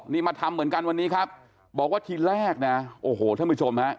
นี่มาทำเหมือนกันวันนี้ครับบอกว่าทีแรกนะโอ้โหท่านผู้ชมฮะ